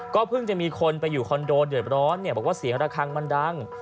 เพิ่งจะมีคนไปอยู่คอนโดเดือดร้อนบอกว่าเสียงระคังมันดัง